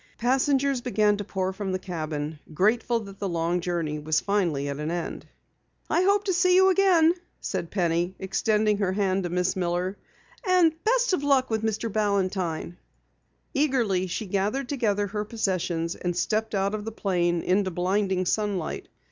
Passengers began to pour from the cabin, grateful that the long journey was finally at an end. "I hope I see you again," said Penny, extending her hand to Miss Miller. "And the best of luck with Mr. Balantine." Eagerly, she gathered together her possessions and stepped out of the plane into blinding sunlight.